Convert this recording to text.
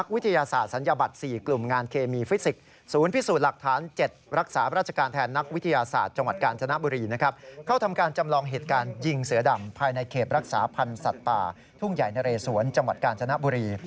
การยิงเสือดำภายในเข็บรักษาพันธุ์สัตว์ป่าทุ่งใหญ่นะเรสวนจังหวัดกาลจนบุรี